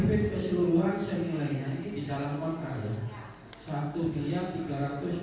dan informasi saudara dedy belum tahu